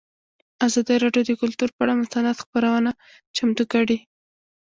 ازادي راډیو د کلتور پر اړه مستند خپرونه چمتو کړې.